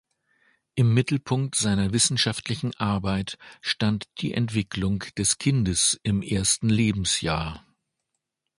Im Mittelpunkt seiner wissenschaftlichen Arbeit stand die Entwicklung des Kindes im ersten Lebensjahr.